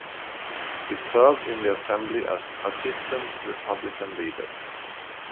He served in the Assembly as Assistant Republican Leader.